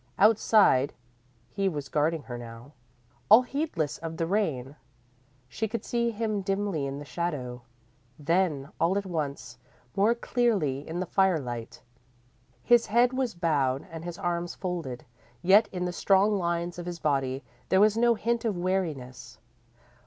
_ _Outside, he was guarding her now, all heedless of the rain. She could see him dimly in the shadow, then, all at once, more clearly in the firelight. His head was bowed and his arms folded, yet in the strong lines of his body there was no hint of weariness.